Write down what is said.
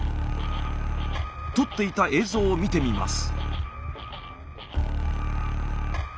撮っていた映像を見てみます。